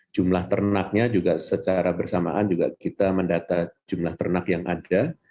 jumlah ternaknya juga secara bersamaan juga kita mendata jumlah ternak yang ada